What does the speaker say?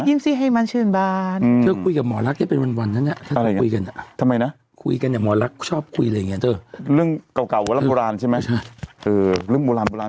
ยิ้มสิให้มันเชื่อบ้านอืมเค้าคุยกับหมอลักษณ์เป็นวันวันนั้น